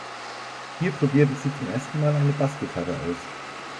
Hier probierte sie zum ersten Mal eine Bassgitarre aus.